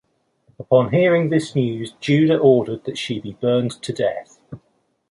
Upon hearing this news, Judah ordered that she be burned to death.